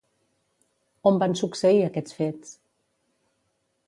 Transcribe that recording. On van succeir aquests fets?